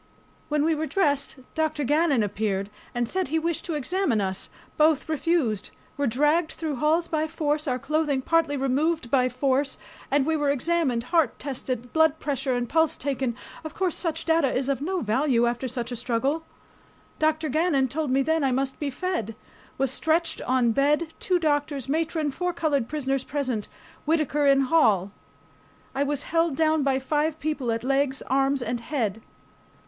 When we were dressed, Dr. Gannon appeared, and said he wished to examine us. Both refused. Were dragged through halls by force, our clothing partly removed by force, and we were examined, heart tested, blood pressure and pulse taken. Of course such data was of no value after such a struggle. Dr. Gannon told me then I must be fed. Was stretched on bed, two doctors, matron, four colored prisoners present, Whittaker in hall. I was held down by five people at legs, arms, and head.